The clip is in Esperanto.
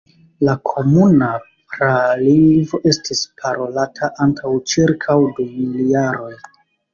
La komuna pralingvo estis parolata antaŭ ĉirkaŭ du mil jaroj.